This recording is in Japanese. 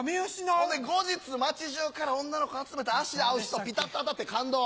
後日町じゅうから女の子集めて足合う人ピタっと当たって感動。